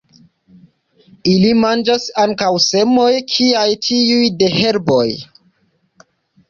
Ili manĝas ankaŭ semojn kiaj tiuj de herboj.